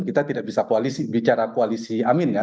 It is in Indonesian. kita tidak bisa bicara koalisi amin ya